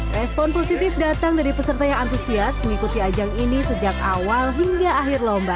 respon positif datang dari peserta yang antusias mengikuti ajang ini sejak awal hingga akhir lomba